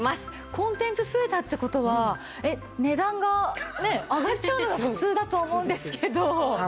コンテンツ増えたって事は値段がねえ上がっちゃうのが普通だと思うんですけど。